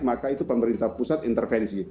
maka itu pemerintah pusat intervensi